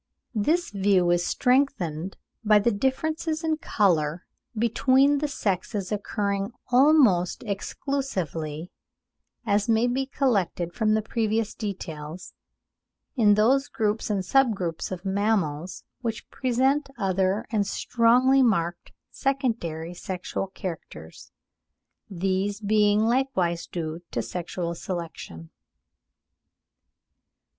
This view is strengthened by the differences in colour between the sexes occurring almost exclusively, as may be collected from the previous details, in those groups and sub groups of mammals which present other and strongly marked secondary sexual characters; these being likewise due to sexual selection.